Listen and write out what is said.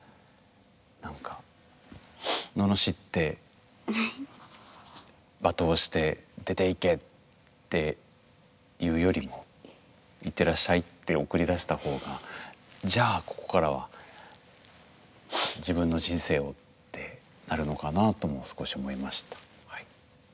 なんか罵って罵倒して出て行けって言うよりもいってらっしゃいって送り出した方がじゃあここからは自分の人生をってなるのかなとも少し思いましたはい。